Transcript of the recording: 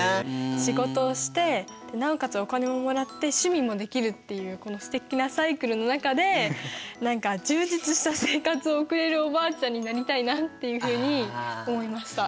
仕事をしてなおかつお金ももらって趣味もできるっていうこのすてきなサイクルの中で何か充実した生活を送れるおばあちゃんになりたいなっていうふうに思いました。